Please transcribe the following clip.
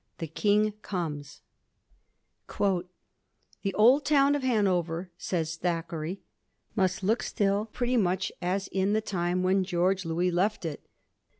THE KING COMES, * The old town of Hanover/ says Thackeray, * must look still pretty much as in the time when George Louis left it.